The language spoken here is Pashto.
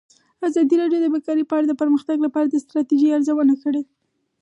ازادي راډیو د بیکاري په اړه د پرمختګ لپاره د ستراتیژۍ ارزونه کړې.